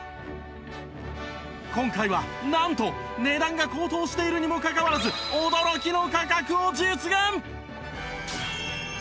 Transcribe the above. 今回はなんと値段が高騰しているにもかかわらず驚きの価格を実現！